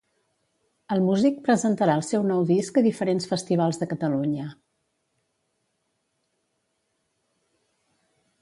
El músic presentarà el seu nou disc a diferents festivals de Catalunya.